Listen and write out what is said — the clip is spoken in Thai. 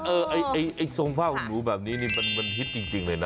ไอ้ทรงผ้าของหนูแบบนี้นี่มันฮิตจริงเลยนะ